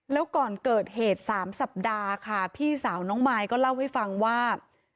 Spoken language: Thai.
แล้วก่อนเกิดเหตุ๓สัปดาห์ค่ะพี่สาวน้องมายก็เล่าให้ฟังว่า